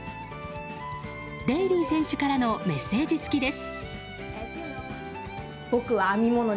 デイリー選手からのメッセージ付きです。